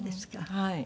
はい。